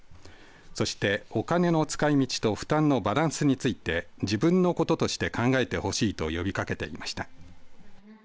そして、お金の使いみちと負担のバランスについて自分のこととして考えてほしいと呼びかけていました。